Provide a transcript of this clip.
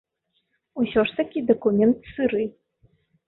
Усё ж такі дакумент сыры.